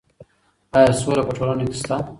ایا سوله په ټولنه کې شته؟